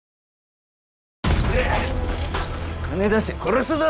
金出せ殺すぞ。